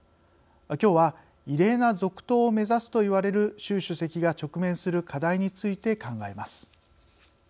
きょうは異例な続投を目指すと言われる習主席が直面する課題について考えます。